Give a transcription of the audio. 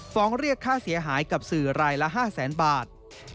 ฟ้องเรียกค่าเสียหายกับสื่อรายละ๕๐๐๐๐๐บาท